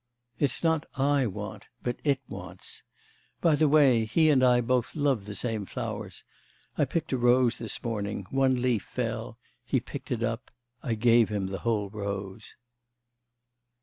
It's not I want, but it wants. By the way, he and I both love the same flowers. I picked a rose this morning, one leaf fell, he picked it up.... I gave him the whole rose.